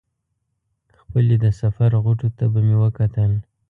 خپلې د سفر غوټو ته به مې وکتل.